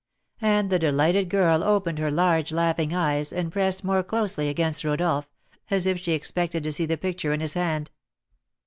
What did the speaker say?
And the delighted girl opened her large laughing eyes, and pressed more closely against Rodolph, as if she expected to see the picture in his hand.